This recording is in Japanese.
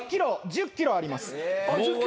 １０ｋｇあります。